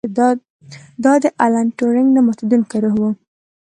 دا د الن ټورینګ نه ماتیدونکی روح و